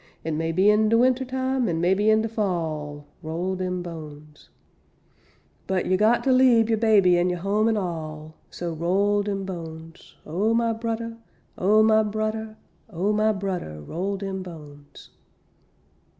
It may be in de Winter time, and maybe in de Fall, Roll dem bones. But yer got ter leabe yer baby an yer home an all So roll dem bones, Oh my brudder, Oh my brudder, Oh my brudder, _Roll dem bones!